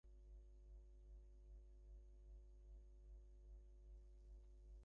মোরোলার নাম তার মরবার সাথে সাথেই লুপ্ত হয়ে গিয়েছিল।